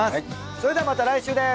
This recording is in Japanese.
それではまた来週です。